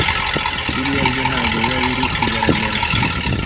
biriya byo ntago biba biri kugaragara